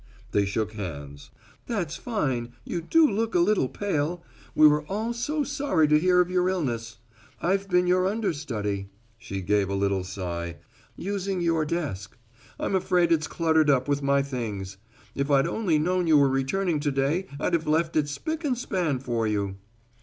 They shook hands. "That's fine you do look a little pale we were all so sorry to hear of your illness. I've been your understudy," she gave a little sigh, "using your desk. I'm afraid its cluttered up with my things. If I'd only known you were returning to day I'd have left it spick and span for you."